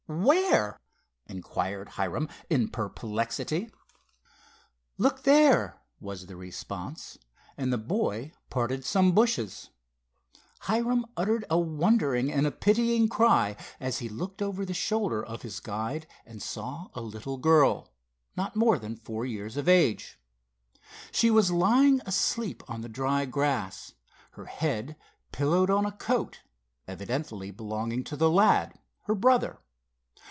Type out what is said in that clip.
Where?" inquired Hiram, in perplexity. "Look there," was the response, and the boy parted some bushes. Hiram uttered a wondering and a pitying cry, as he looked over the shoulder of his guide and saw a little girl, not more than four years of age. She was lying asleep on the dry grass, her head pillowed on a coat, evidently belonging to the lad, her brother.